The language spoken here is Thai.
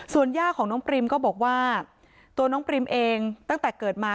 ส่วนย่าของน้องปริมก็บอกว่าตัวน้องปริมเองตั้งแต่เกิดมา